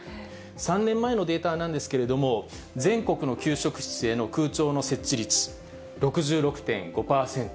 ３年前のデータなんですけれども、全国の給食室への空調の設置率６６．５％。